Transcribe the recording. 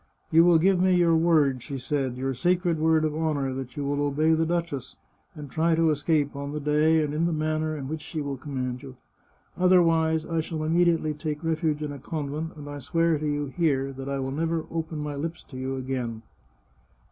" You will give me your word," she said, " your sacred word of honour, that you will obey the duchess, and try to escape on the day and in the manner in which she will command you. Otherwise I shall immedi ately take refuge in a convent, and I swear to you, here, that I will never open my lips to you again."